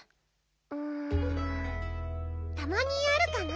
うんたまにあるかな。